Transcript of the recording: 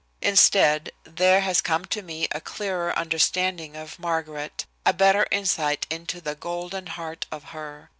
"Instead, there has come to me a clearer understanding of Margaret, a better insight into the golden heart of her.